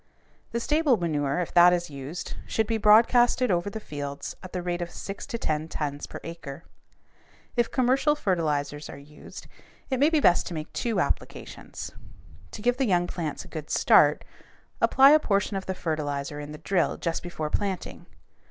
The stable manure, if that is used, should be broadcasted over the fields at the rate of six to ten tons an acre. If commercial fertilizers are used, it may be best to make two applications. To give the young plants a good start, apply a portion of the fertilizer in the drill just before planting.